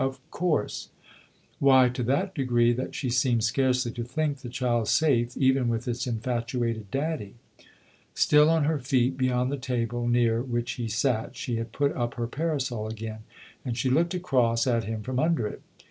" Of course !" "Why, to that degree that she seems scarcely to think the child safe even with its infatuated daddy !" Still on her feet beyond the table near which he sat, she had put up her parasol again, and she looked across at him from under it.